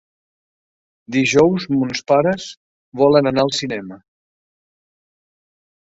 Dijous mons pares volen anar al cinema.